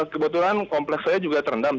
kebetulan kompleks saya juga terendam